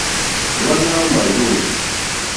Hwáǃánáá màrzô.